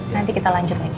nanti kita lanjut lagi